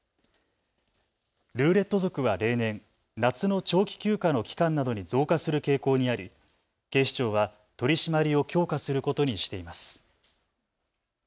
ルーレット族は例年、夏の長期休暇の期間などに増加する傾向にあり警視庁は取締りを強化することにしています。